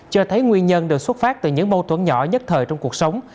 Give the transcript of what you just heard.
cho thấy nguyên nhân được xuất phát từ những mâu thuẫn nhỏ nhất thời trong cuộc sống